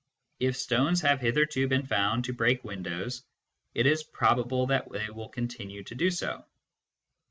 If stones have hitherto been found to break windows, it is probable that they will continue to do so.